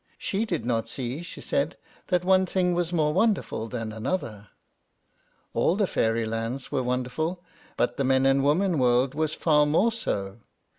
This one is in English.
She did not see, she said, that one thing was more wonderful than another. All the fairy lands were wonderful, but the men and women world was far more so.